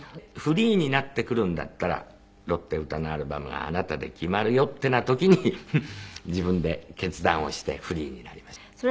フリーになってくるんだったら『ロッテ歌のアルバム』あなたで決まるよってな時に自分で決断をしてフリーになりました。